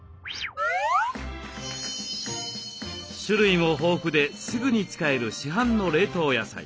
種類も豊富ですぐに使える市販の冷凍野菜。